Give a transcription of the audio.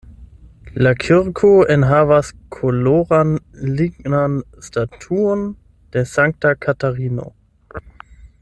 La kirko enhavas koloran lignan statuon de sankta Katarino.